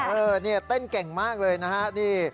เออนี่เต้นเก่งมากเลยนะฮะนี่